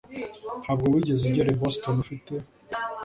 Ntabwo wigeze ugera i Boston ufite